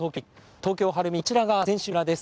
東京・晴海、こちらが選手村です。